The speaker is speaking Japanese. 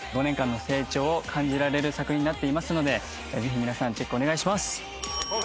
５年間の成長を感じられる作品になっていますのでぜひ皆さんチェックお願いします！